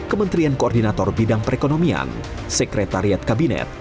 kementerian koordinator bidang perekonomian sekretariat kabinet